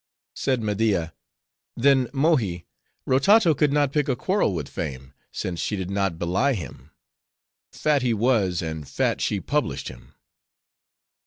Said Media, "Then, Mohi, Rotato could not pick a quarrel with Fame, since she did not belie him. Fat he was, and fat she published him."